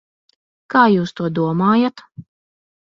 Kā jūs to domājat?